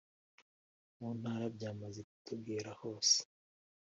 muntara byamaze kudogera hose